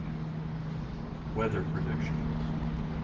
WEATHER PREDICTIONS.